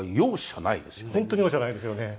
本当に容赦ないですよね。